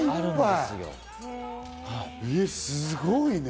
すごいね。